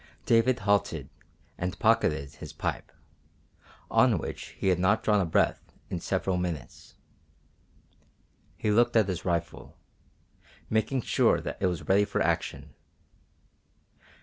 David halted and pocketed his pipe, on which he had not drawn a breath in several minutes. He looked at his rifle, making sure that it was ready for action.